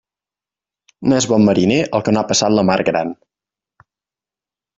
No és bon mariner el que no ha passat la mar gran.